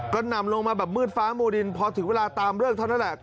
ก็นำลงมาแบบมืดฟ้ามูดินพอถึงเวลาตามเลิกเท่านั้นแหละ